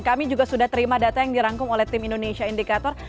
kami juga sudah terima data yang dirangkum oleh tim indonesia indikator